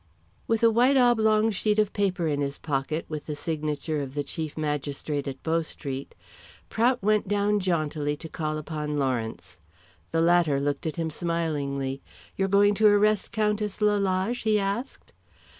With a white oblong sheet of paper in his pocket with the signature of the chief magistrate at Bow Street, Prout went down jauntily to call upon Lawrence. The latter looked at him smilingly. "You are going to arrest Countess Lalage?" he asked.